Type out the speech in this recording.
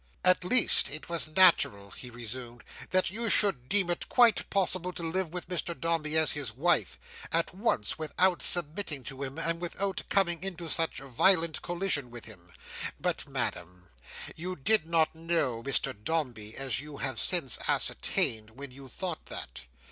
"At least it was natural," he resumed, "that you should deem it quite possible to live with Mr Dombey as his wife, at once without submitting to him, and without coming into such violent collision with him. But, Madam, you did not know Mr Dombey (as you have since ascertained), when you thought that.